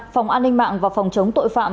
phòng an ninh mạng và phòng chống tội phạm